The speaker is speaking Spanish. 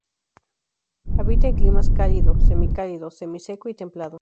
Habita en climas cálido, semicálido, semiseco y templado.